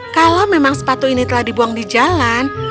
kalau memang sepatu ini telah dibuang di jalan